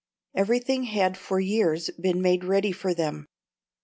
Everything had for years been made ready for them.